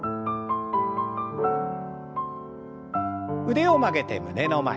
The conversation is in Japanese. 腕を曲げて胸の前。